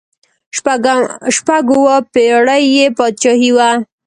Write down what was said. شپږ اووه پړۍ یې بادشاهي وه.